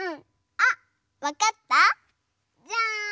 あっわかった？じゃん！